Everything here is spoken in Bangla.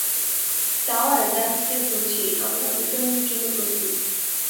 টাওয়ার, ডার্কস্টার বলছি, আমরা উড্ডয়নের জন্য প্রস্তুত।